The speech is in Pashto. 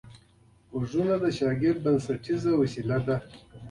غوږونه د شاګرد بنسټیزه وسیله ده